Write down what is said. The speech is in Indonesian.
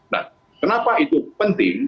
nah kenapa itu penting